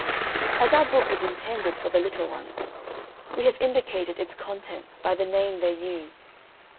As our book is intended for the little ones, we have indicated its contents by the name they use.